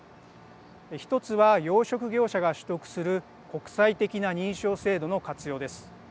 １つは養殖業者が取得する国際的な認証制度の活用です。